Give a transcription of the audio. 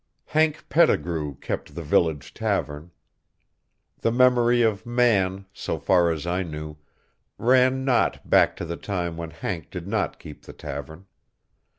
Hank Pettigrew kept the village tavern. The memory of man, so far as I knew, ran not back to the time when Hank did not keep the tavern.